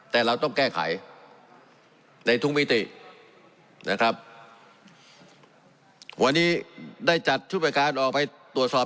แต่เราต้องแก้ไขในทุกมิตินะครับวันนี้ได้จัดชุดประการออกไปตรวจสอบ